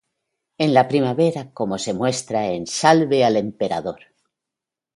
En la primera, como se muestra en "¡Salve al emperador!